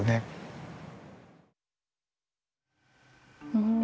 うん。